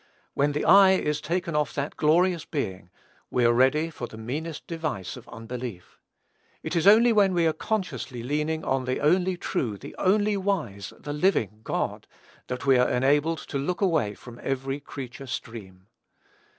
When the eye is taken off that glorious Being, we are ready for the meanest device of unbelief. It is only when we are consciously leaning on the only true, the only wise, the living God, that we are enabled to look away from every creature stream.